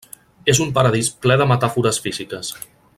És un Paradís ple de metàfores físiques.